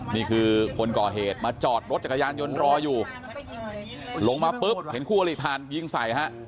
นี่คือคนก่อเหตุมาจอดรถจักรยานยนต์รออยู่ลงมาปุ๊บเห็นคู่อลิผ่านยิงใส่ฮะ